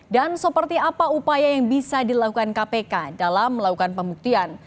dan seperti apa upaya yang bisa dilakukan kpk dalam melakukan pembuktian